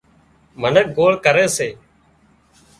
منک گوۯ ڪري سي